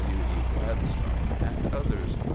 W. E. Gladstone and others.